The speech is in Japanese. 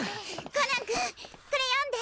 コナン君これ読んで！